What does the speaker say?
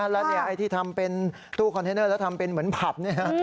แล้วไอ้ที่ทำเป็นตู้คอนเทนเนอร์แล้วทำเป็นเหมือนผับ